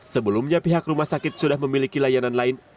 sebelumnya pihak rumah sakit sudah memiliki layanan lain